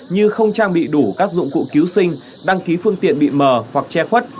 như không trang bị đủ các dụng cụ cứu sinh đăng ký phương tiện bị mờ hoặc che khuất